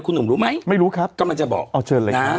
หนุ่มรู้ไหมไม่รู้ครับกำลังจะบอกเอาเชิญเลยนะ